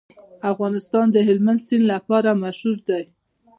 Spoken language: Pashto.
افغانستان د هلمند سیند لپاره مشهور دی.